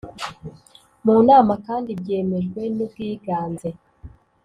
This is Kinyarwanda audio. mu nama kandi byemejwen ubwiganze